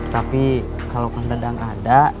tapi kalau kang dadang ada